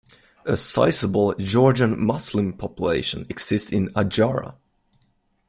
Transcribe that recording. A sizable Georgian Muslim population exists in Adjara.